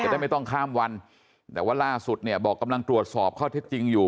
ได้ไม่ต้องข้ามวันแต่ว่าล่าสุดเนี่ยบอกกำลังตรวจสอบข้อเท็จจริงอยู่